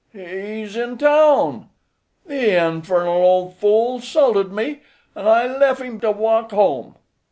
"He's in town. The infernal ole fool 'sulted me, an' I lef' him to walk home."